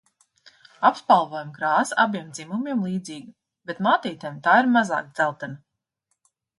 Apspalvojuma krāsa abiem dzimumiem līdzīga, bet mātītēm tā ir mazāk dzeltena.